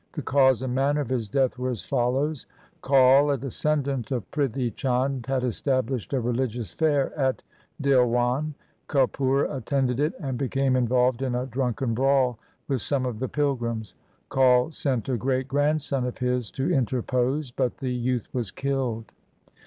The cause and manner of his death were as follows :— Kaul, a descendant of Prithi Chand, had established a religious fair at Dhilwan ; Kapura attended it and became involved in a drunken brawl with some of the pilgrims. Kaul sent a great grandson of his to interpose, but the youth was killed.